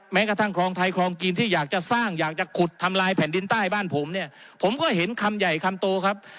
แม้กระทั่งคลองไทยคลองกินที่อยากจะสร้างอยากจะขุดทำลายแผ่นดินใต้บ้านผมเนี่ยผมก็เห็นคำใหญ่คำโตครับ